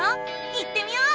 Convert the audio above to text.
行ってみよう！